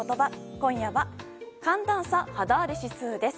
今夜は寒暖差肌荒れ指数です。